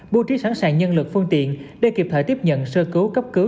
bố trí sẵn sàng nhân lực phương tiện để kịp thời tiếp nhận sơ cứu cấp cứu